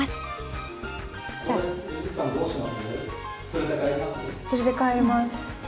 連れて帰ります。